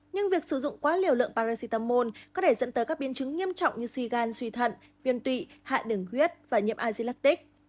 nhưng việc sử dụng quá liều lượng paracetamol có thể dẫn tới các biến chứng nghiêm trọng như suy gan suy thận viên tụy hạ đường huyết và nhiễm azelactic